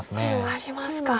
ありますか。